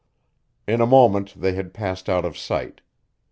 In a moment they had passed out of sight.